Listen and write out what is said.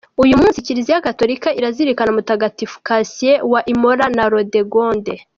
Uyu munsi Kiliziya Gatorika irazirikana Mutagatifu Cassien wa Imola na Radegonde.